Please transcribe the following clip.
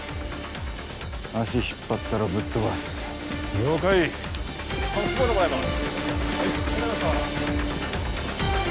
足引っ張ったらぶっ飛ばす了解バックボードもらいます